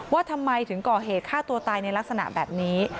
ว่าทำไมถึงก่อเหตุฆ่าตัวตายในลักษณะแบบนี้